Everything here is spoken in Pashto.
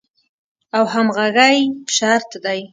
او همغږۍ شرط دی.